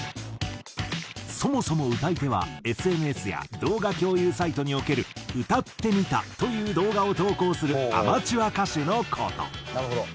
そもそも歌い手はＳＮＳや動画共有サイトにおける「歌ってみた」という動画を投稿するアマチュア歌手の事。